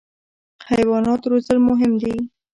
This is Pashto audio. حیوانات روزل مهم دي.